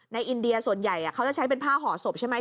อินเดียส่วนใหญ่เขาจะใช้เป็นผ้าห่อศพใช่ไหม